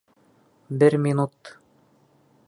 Бер минут.